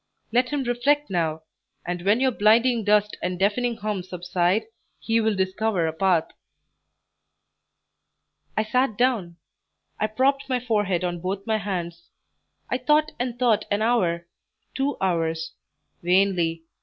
Let him reflect now, and when your blinding dust and deafening hum subside, he will discover a path." I sat down; I propped my forehead on both my hands; I thought and thought an hour two hours; vainly.